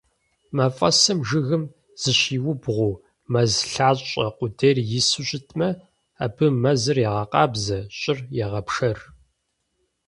Мафӏэсым жыгым зыщимыубгъуу, мэз лъащӏэ къудейр ису щытмэ, абы мэзыр егъэкъабзэ, щӏыр егъэпшэр.